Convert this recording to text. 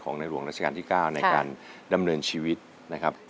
ในหลวงราชการที่๙ในการดำเนินชีวิตนะครับ